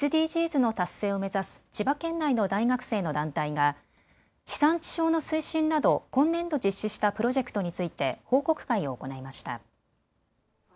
・ＳＤＧｓの達成を目指す千葉県内の大学生の団体が地産地消の推進など今年度実施したプロジェクトについて報告会を行いました。